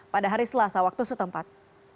pada hari selasa waktu setempat